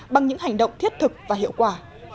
bằng những hành động thiết thực và hiệu quả